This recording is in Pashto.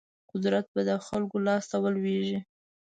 قدرت به د خلکو لاس ته ولویږي.